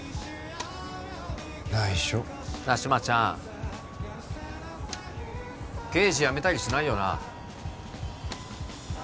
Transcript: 内緒なあ志摩ちゃん刑事辞めたりしないよな？